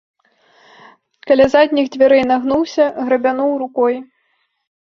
Каля задніх дзвярэй нагнуўся, грабянуў рукой.